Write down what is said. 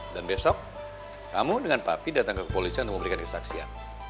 dan besok kamu dengan papi datang ke kepolisian untuk memberikan kesaksian